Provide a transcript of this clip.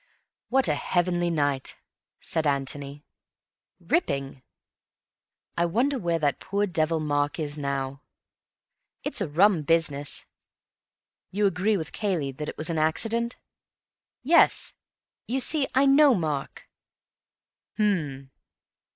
"What a heavenly night!" said Antony. "Ripping." "I wonder where that poor devil Mark is now." "It's a rum business." "You agree with Cayley—that it was an accident?" "Yes. You see, I know Mark." "H'm."